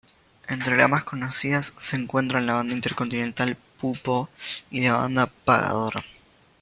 Entre las más conocidas se encuentran la banda Intercontinental Poopó, y la banda Pagador.